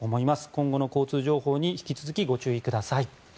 今後の交通情報に引き続きご注意ください。